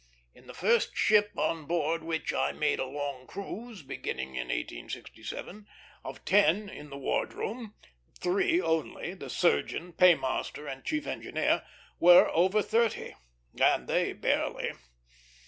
In the first ship on board which I made a long cruise, beginning in 1867, of ten in the ward room, three only, the surgeon, paymaster, and chief engineer, were over thirty; and they barely.